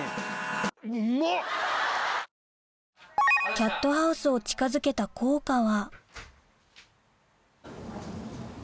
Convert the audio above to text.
キャットハウスを近づけた効果は？